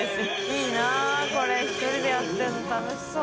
いいなこれ１人でやってるの楽しそう。